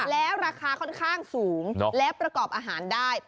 แล้วราคาค่อนข้างสูงและประกอบอาหารได้